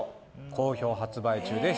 好評発売中です。